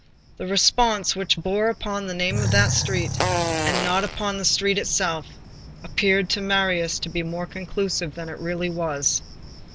The response which bore upon the name of the street and not upon the street itself, appeared to Marius to be more conclusive than it really was.